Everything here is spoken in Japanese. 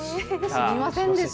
知りませんでした。